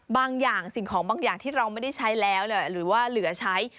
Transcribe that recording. บางอย่างสิ่งของบางอย่างที่เราไม่ได้ใช้แล้วหรือว่าเหลือใช้